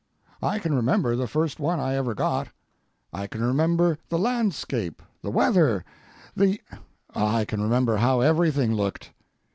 I can remember the first one I ever got. I can remember the landscape, the weather, the—I can remember how everything looked.